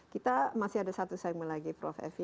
kita masih ada satu segmen lagi prof evi